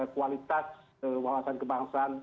kualitas wawasan kebangsaan